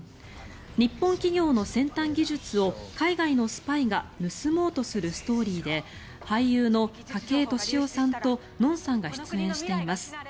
日本企業の先端技術を海外のスパイが盗もうとするストーリーで俳優の筧利夫さんとのんさんが出演しています。